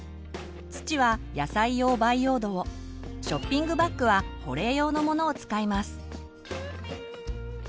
土は野菜用培養土をショッピングバッグは保冷用のものを使います。